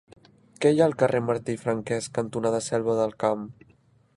Què hi ha al carrer Martí i Franquès cantonada Selva del Camp?